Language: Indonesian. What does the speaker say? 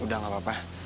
udah gak apa apa